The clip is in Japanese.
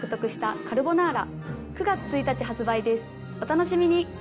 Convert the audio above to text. お楽しみに！